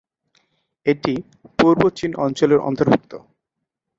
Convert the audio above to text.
এটি পূর্ব চীন অঞ্চলের অন্তর্ভুক্ত।